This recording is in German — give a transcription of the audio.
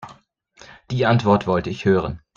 Die Antwort wollte ich hören.